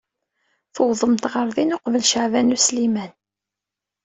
Tuwḍemt ɣer din uqbel Caɛban U Sliman.